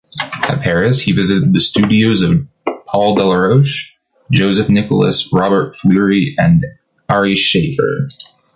At Paris, he visited the studios of Paul Delaroche, Joseph-Nicolas Robert-Fleury and Ary Scheffer.